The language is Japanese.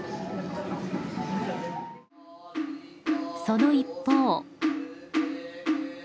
その一方。